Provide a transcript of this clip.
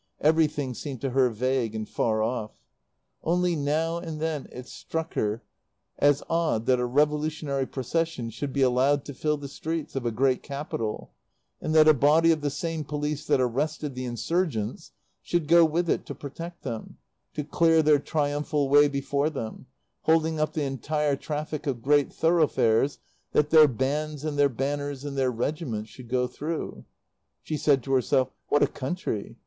Everything seemed to her vague and far off. Only now and then it struck her as odd that a revolutionary Procession should be allowed to fill the streets of a great capital, and that a body of the same police that arrested the insurgents should go with it to protect them, to clear their triumphal way before them, holding up the entire traffic of great thoroughfares that their bands and their banners and their regiments should go through. She said to herself "What a country!